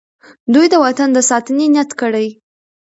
دوی د وطن د ساتنې نیت کړی.